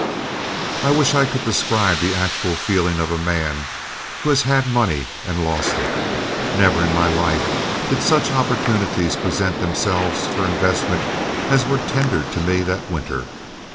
I wish I could describe the actual feelings of a man who has had money and lost it. Never in my life did such opportunities present themselves for investment as were tendered to me that winter.